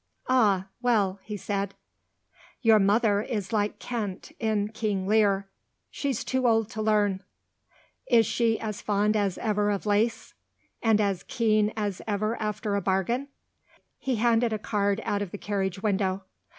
"Ah, well," he said, "your mother is like Kent in King Lear she's too old to learn. Is she as fond as ever of lace? and as keen as ever after a bargain?" He handed a card out of the carriage window.